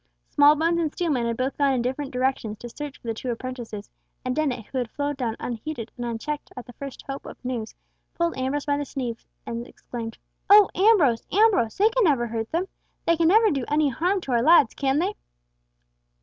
Smallbones and Steelman had both gone in different directions to search for the two apprentices, and Dennet, who had flown down unheeded and unchecked at the first hope of news, pulled Ambrose by the sleeve, and exclaimed, "Oh! Ambrose, Ambrose! they can never hurt them! They can never do any harm to our lads, can they?"